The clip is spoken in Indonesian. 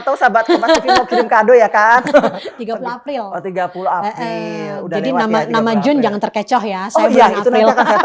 tahu sahabat kemasin kirim kado ya kan tiga puluh april tiga puluh april udah nama nama jun jangan terkecoh ya oh ya